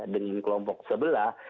dengan kelompok sebelah